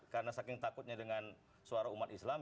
karena saking takutnya dengan suara umat islam